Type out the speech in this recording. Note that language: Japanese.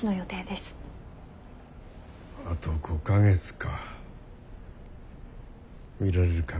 あと５か月か。